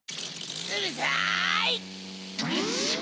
うるさい！